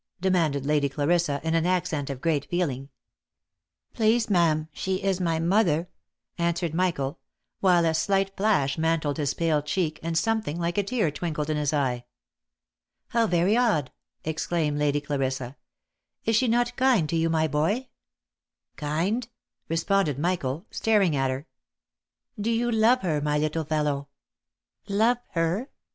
demanded Lady Clarissa in an accent of great feeling. " Please ma'am, she is my mother," answered Michael, while a slight flash mantled his pale cheek, and something like a tear twinkled in his eye. " How very odd !" exclaimed Lady Clarissa. " Is she not kind to you, my boy ?"" Kind ?" responded Michael, staring at her. c 2 "20 THE LIFE AND ADVENTURES " Do you love her, my little fellow ?"(* Love her ?"